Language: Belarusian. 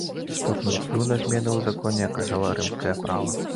Істотны ўплыў на змены ў законе аказала рымскае права.